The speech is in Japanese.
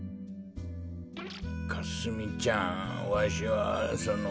かすみちゃんわしはその。